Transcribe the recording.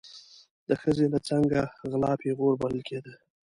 د ښځې له څنګه غلا پیغور بلل کېده.